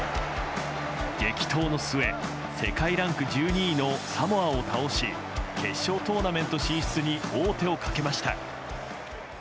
激闘の末世界ランク１２位のサモアを倒し決勝トーナメント進出に王手をかけました。